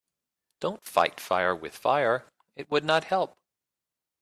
Don‘t fight fire with fire, it would not help.